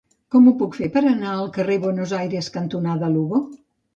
Com ho puc fer per anar al carrer Buenos Aires cantonada Lugo?